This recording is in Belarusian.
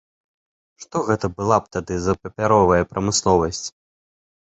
Што гэта была б тады за папяровая прамысловасць!